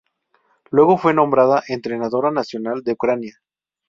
Luego fue nombrada entrenadora nacional de Ucrania.